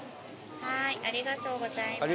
ありがとうございます。